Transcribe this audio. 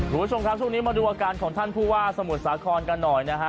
คุณผู้ชมครับช่วงนี้มาดูอาการของท่านผู้ว่าสมุทรสาครกันหน่อยนะฮะ